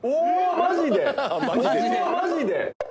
マジで？